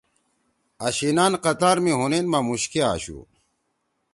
آشینان قطار می حنین ما مُوشکے آشُو۔